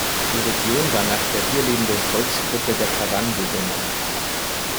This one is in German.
Die Region war nach der hier lebenden Volksgruppe der Kavango benannt.